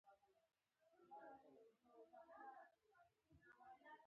له هغه وروسته یې په خلاف بغاوتونه وشول.